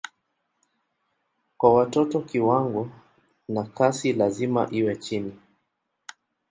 Kwa watoto kiwango na kasi lazima iwe chini.